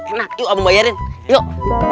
enak yuk abang bayarin yuk